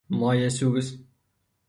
مایه سوز